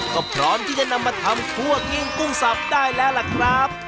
ก็พร้อมที่จะนำมาทำคั่วกิ้งกุ้งสับได้แล้วล่ะครับ